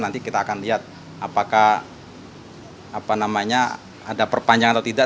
nanti kita akan lihat apakah apa namanya ada perpanjang atau tidak